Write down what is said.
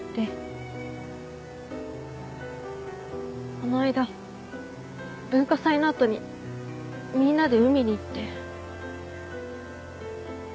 この間文化祭の後にみんなで海に行って。